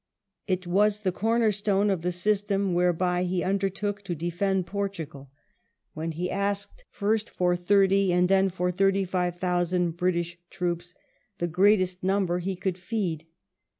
It was the comer stone of the system whereby he undertook to defend Portugal, when he asked first for thirty, and then for thirty five thousand British troops, the greatest number he could feed.